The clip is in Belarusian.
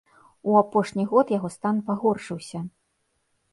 У апошні год яго стан пагоршыўся.